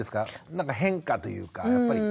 なんか変化というかやっぱりそれは。